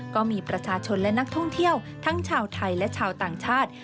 ก็มีประชาชนและนักท่องเที่ยวทั้งชาวไทยและชาวต่างชาติ